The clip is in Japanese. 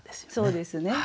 そうですね。